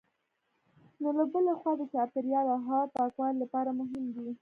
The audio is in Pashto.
نو له بلې خوا د چاپېریال او هوا پاکوالي لپاره مهم دي.